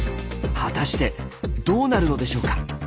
果たしてどうなるのでしょうか？